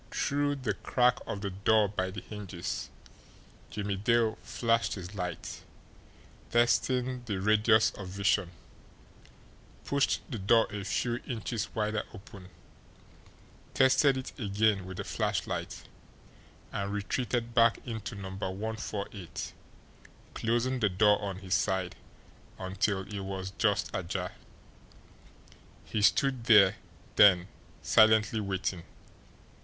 Through the crack of the door by the hinges, Jimmie Dale flashed his light, testing the radius of vision, pushed the door a few inches wider open, tested it again with the flashlight and retreated back into No. 148, closing the door on his side until it was just ajar. He stood there then silently waiting.